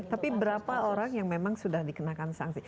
tapi berapa orang yang memang sudah dikenakan sanksi